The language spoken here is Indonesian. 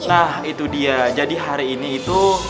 nah itu dia jadi hari ini itu